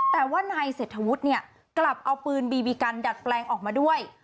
แต่ว่านายเศรษฐวุฒิเนี่ยกลับเอาปืนบีบีกันดัดแปลงออกมาด้วย